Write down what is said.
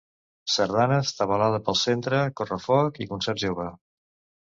Sardanes, tabalada pel centre, correfoc i concert jove.